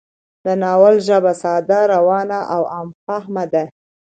د ناول ژبه ساده، روانه او عام فهمه ده